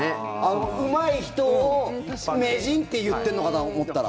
うまい人を名人って言ってるのかと思ったら。